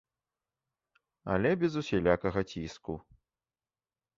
Але без усялякага ціску.